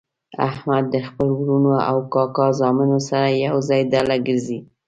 احمد د خپلو ورڼو او کاکا زامنو سره ېوځای ډله ګرځي.